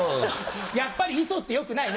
やっぱり嘘ってよくないね。